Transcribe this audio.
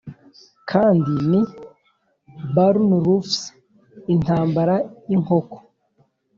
kandi ni barnroofs intambara y'inkoko!